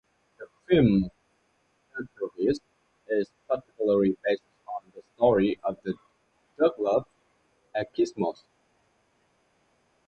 The film "Leatherheads" is partially based on the story of the Duluth Eskimos.